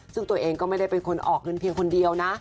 ซึ่งตัวเองก็ไม่ได้เป็นคนออกเงินเพียงคนเดียวนะ